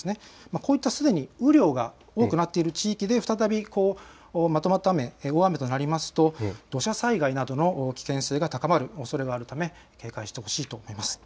こういったすでに雨量が多くなっている地域で再びまとまった雨、大雨となると、土砂災害などの危険性が高まるおそれがあるため警戒してほしいと思います。